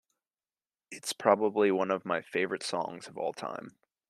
It's probably one of my favorite songs of all time.